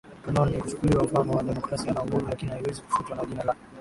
canon ni kuchukuliwa mfano wa demokrasia na uhuru lakini haiwezi kufutwa na jina la